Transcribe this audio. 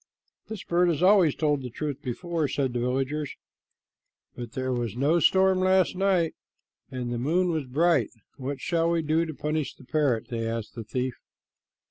"This bird has always told the truth before," said the villagers, "but there was no storm last night and the moon was bright. What shall we do to punish the parrot?" they asked the thief.